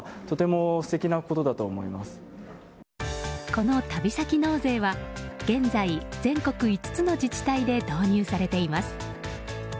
この旅先納税は現在、全国５つの自治体で導入されています。